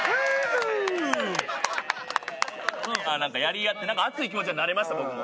なんかやり合って熱い気持ちにはなれました僕も。